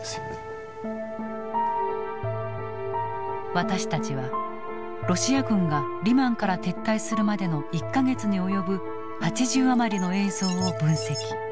私たちはロシア軍がリマンから撤退するまでの１か月に及ぶ８０余りの映像を分析。